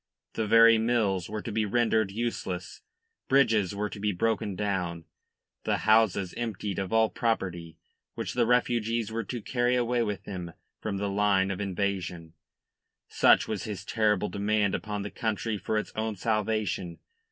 The very mills were to be rendered useless, bridges were to be broken down, the houses emptied of all property, which the refugees were to carry away with them from the line of invasion. Such was his terrible demand upon the country for its own salvation.